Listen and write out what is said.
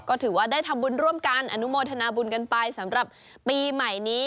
ก็ถือว่าได้ทำบุญร่วมกันอนุโมทนาบุญกันไปสำหรับปีใหม่นี้